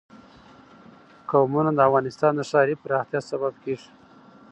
قومونه د افغانستان د ښاري پراختیا سبب کېږي.